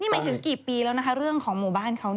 หมายถึงกี่ปีแล้วนะคะเรื่องของหมู่บ้านเขา